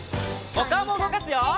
おかおもうごかすよ！